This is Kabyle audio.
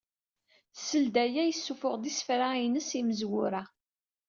Seld aya, yessufeɣ-d isefra-ines imezwura.